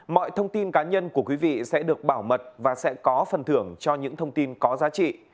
mọi thông tin cá nhân của quý vị sẽ được bảo mật và sẽ có phần thưởng cho những thông tin có giá trị